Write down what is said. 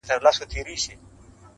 تا پر سرو شونډو پلمې راته اوډلای-